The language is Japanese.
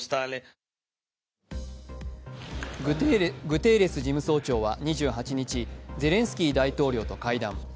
グテーレス事務総長は２８日、ゼレンスキー大統領と会談。